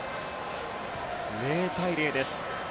０対０です。